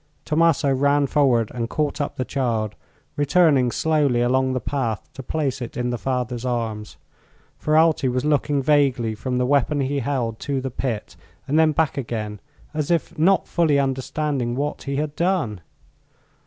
Tommaso ran forward and caught up the child, returning slowly along the path to place it in the father's arms. Ferralti was looking vaguely from the weapon he held to the pit, and then back again, as if not fully understanding what he had done.